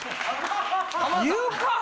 言うかぁ！